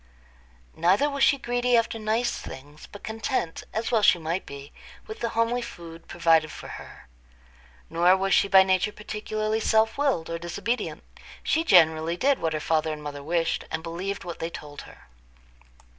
Neither was she greedy after nice things, but content, as well she might be, with the homely food provided for her. Nor was she by nature particularly self willed or disobedient; she generally did what her father and mother wished, and believed what they told her.